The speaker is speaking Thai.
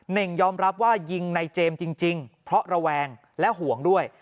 ่งยอมรับว่ายิงในเจมส์จริงเพราะระแวงและห่วงด้วย